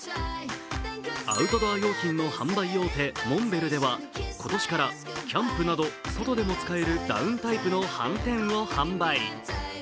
アウトドア用品の販売大手モンベルでは今年からキャンプなど外でも使えるダウンタイプのはんてんを販売。